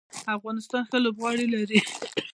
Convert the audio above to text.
افغانستان ښه لوبغاړي لري.